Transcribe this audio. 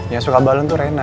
yang suka balon tuh rena